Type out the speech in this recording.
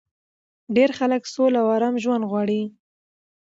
ډېری خلک سوله او ارام ژوند غواړي